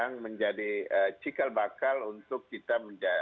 yang menjadi cikal bakal untuk kita